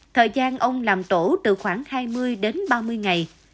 thời gian ông làm tổ từ khoảng hai mươi đến ba mươi ngày